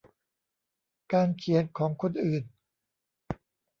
การเขียนของคนอื่น